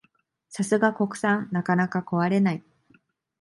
さすが国産、なかなか壊れない